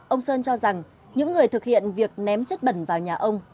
ông sơn cho rằng những người thực hiện việc ném chất bẩn vào nhà ông